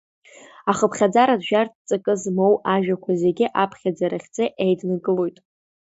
Ахыԥхьаӡаратә жәартә ҵакы змоу ажәақәа зегьы аԥхьаӡара хьӡы еиднакылоит.